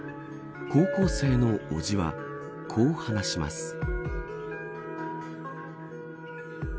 高校生の叔父は、こう話します。